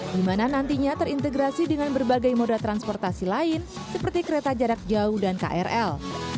di mana nantinya terintegrasi dengan berbagai moda transportasi lain seperti kereta jarak jauh dan krl